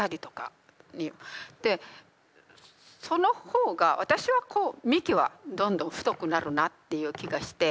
その方が私はこう幹はどんどん太くなるなっていう気がして。